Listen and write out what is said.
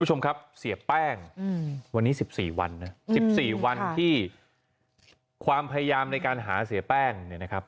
คุณผู้ชมครับเสียแป้งวันนี้๑๔วันนะ๑๔วันที่ความพยายามในการหาเสียแป้งเนี่ยนะครับ